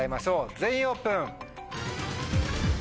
全員オープン！